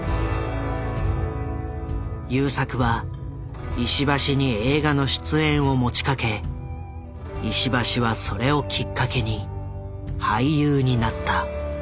優作は石橋に映画の出演を持ちかけ石橋はそれをきっかけに俳優になった。